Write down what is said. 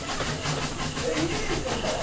『イメージの詩』は？